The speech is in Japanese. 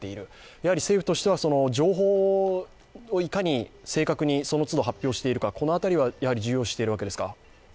やはり政府としては情報をいかに正確にその都度発表しているかこの辺りは重要視しているわけですか。